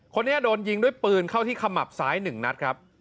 ตัวนี้โดนยิงด้วยปืนเข้าที่ขมับสายหนึ่งนัดครับ